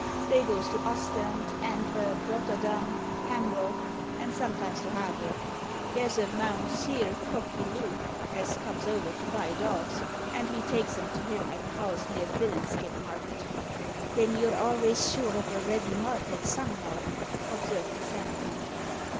They goes to Ostend, Antverp, Rotterdam, Hamburg, and sometimes to Havre. There's a Mounseer Coqquilu as comes over to buy dogs, and ve takes 'em to him at a house near Billinsgit market." "Then you're alvays sure o' a ready market somehow," observed the Sandman.